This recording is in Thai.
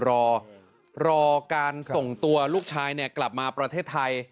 รอรอการส่งตัวลูกชายกลับมาประเทศไทย